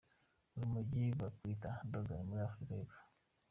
Urumogi bagwita "dagga" muri Afrika y'epfo.